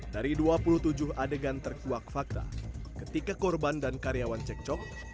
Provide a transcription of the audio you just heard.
dari dua puluh tujuh adegan terkuak fakta ketika korban dan karyawan cekcok